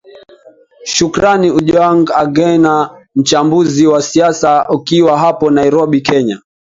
shukran ojwang agina mchambuzi wa siasa ukiwa hapo nairobi kenya